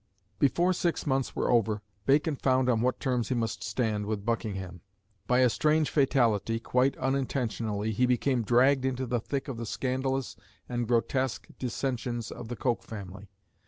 Before six months were over Bacon found on what terms he must stand with Buckingham. By a strange fatality, quite unintentionally, he became dragged into the thick of the scandalous and grotesque dissensions of the Coke family.